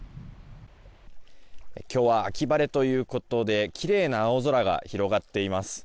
今日は秋晴れということできれいな青空が広がっています。